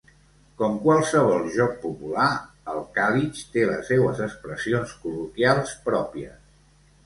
Com qualsevol joc popular, el calitx té les seues expressions col·loquials pròpies.